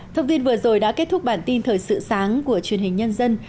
thông tin vừa rồi đã kết thúc bản tin thời sự sáng của truyền hình nhân dân